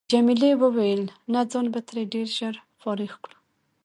جميلې وويل: نه ځان به ترې ډېر ژر فارغ کړو.